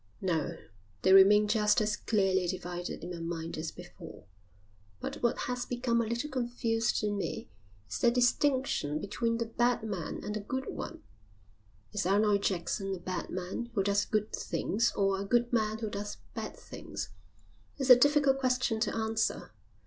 "No, they remain just as clearly divided in my mind as before, but what has become a little confused in me is the distinction between the bad man and the good one. Is Arnold Jackson a bad man who does good things or a good man who does bad things? It's a difficult question to answer.